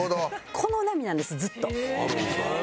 この波なんですずっと。